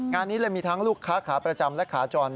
งานนี้เลยมีทั้งลูกค้าขาประจำและขาจร